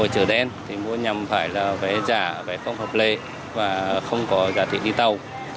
chở đen thì mua nhằm phải là vé giả vé không hợp lệ và không có giá trị đi tàu